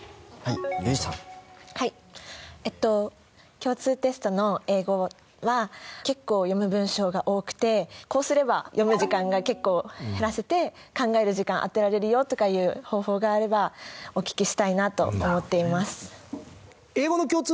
共通テストの英語は結構読む文章が多くてこうすれば読む時間が結構減らせて考える時間にあてられるよとかいう方法があればお聞きしたいなと思っています。